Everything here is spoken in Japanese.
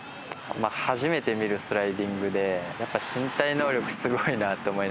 初めて見るスライディングでやっぱり身体能力すごいなって思いながら。